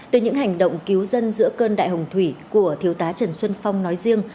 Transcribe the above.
trong hành động cứu dân giữa cơn đại hồng thủy của thiếu tá trần xuân phong nói riêng